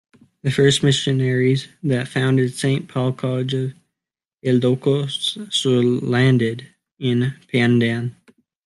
The first missionaries that founded Saint Paul College of Ilocos Sur landed in Pandan.